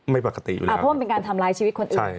ไม่ปกติอยู่แล้วเพราะว่ามันเป็นการทำร้ายชีวิตคนอื่น